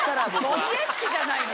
ゴミ屋敷じゃないの？